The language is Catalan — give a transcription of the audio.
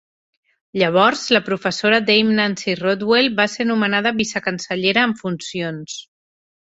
Llavors, la professora Dame Nancy Rothwell va ser nomenada vicecancellera en funcions.